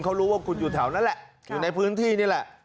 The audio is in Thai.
เขารู้ว่าคุณอยู่แถวนั้นแหละอยู่ในพื้นที่นี่แหละ